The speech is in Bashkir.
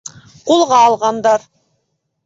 — Ҡулға алғандар.